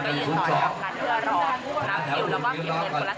ก็จะต่อยออกกันเพื่อรอรับติวและเก็บเงิน๑ละ๑๐บาท